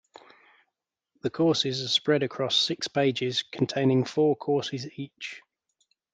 The courses are spread across six pages, containing four courses each.